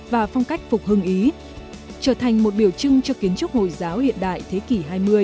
và phong cách phục hưng ý trở thành một biểu trưng cho kiến trúc hồi giáo hiện đại thế kỷ hai mươi